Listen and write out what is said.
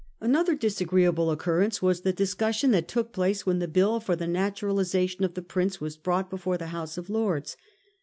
Another disagreeable occurrence was the discus sion that took place when the bill for the naturalisa tion of the Prince was brought before the House of Lords.